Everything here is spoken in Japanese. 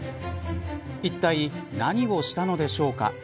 いったい何をしたのでしょうか。